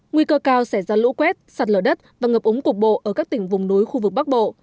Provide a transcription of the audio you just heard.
nguy cơ cao sẽ ra lũ quét sạt lở đất và ngập úng cục bộ ở các tỉnh vùng núi khu vực bắc bộ